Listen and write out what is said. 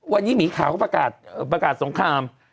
วันนี้หมีข่าวก็ประกาศสงคราม